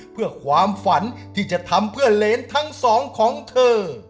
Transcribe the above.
เพื่อความฝันที่จะทำเพื่อเลนทั้งสองของเธอ